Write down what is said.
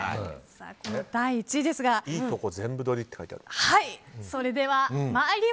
こちらですがいいとこ“全部取り”って書いてある。